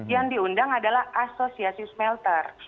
yang diundang adalah asosiasi smelter